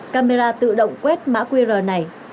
camera tự động quét mã qr này